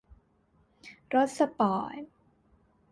รถสปอร์ต